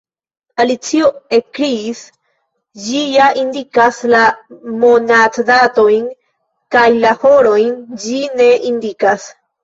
Alicio ekkriis, "ĝi ja indikas la monatdatojn, kaj la horojn ĝi ne indikas."